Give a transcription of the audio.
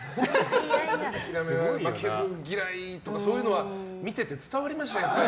負けず嫌いとか、そういうのは見てて伝わりましたよね。